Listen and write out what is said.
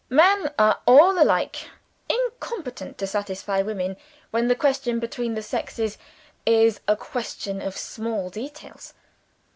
Men are all alike incompetent to satisfy women, when the question between the sexes is a question of small details.